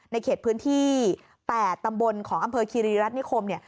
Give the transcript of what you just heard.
ในเขตพื้นที่๘ตำบลของอำเภอคิริรัฐนิคมเนี่ย